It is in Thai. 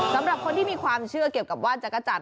สำหรับคนที่มีความเชื่อเกี่ยวกับว่านจักรจันท